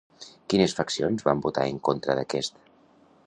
Quines faccions van votar en contra d'aquest?